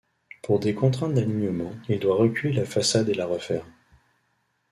Pour des contraintes d'alignement, il doit reculer la façade et la refaire.